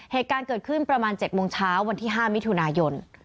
เหตุการณ์เกิดขึ้นประมาณ๗โมงเช้าวันที่๕มิถุนายน